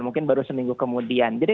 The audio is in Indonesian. mungkin baru seminggu kemudian jadi